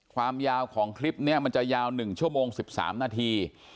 ความยาวของคลิปนี้มันจะยาว๑ชั่วโมง๑๓นาที